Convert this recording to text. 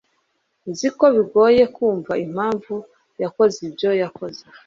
Nzi ko bigoye kumva impamvu yakoze ibyo yakoze.